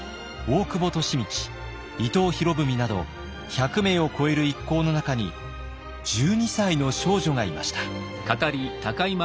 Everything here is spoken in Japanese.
利通伊藤博文など１００名を超える一行の中に１２歳の少女がいました。